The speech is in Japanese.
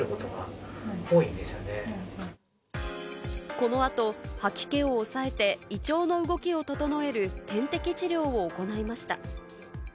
この後、吐き気を抑えて、胃腸の動きを整える、点滴治療を行いました。